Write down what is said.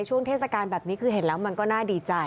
ช่วงเทศกาลแบบนี้คือเห็นแล้วมันก็น่าดีใจ